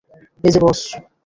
এই যে, বস।